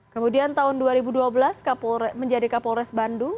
kemudian tahun dua ribu dua belas menjadi kapolres bandung